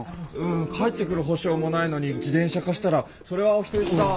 返ってくる保証もないのに自転車貸したらそれはお人よしだ。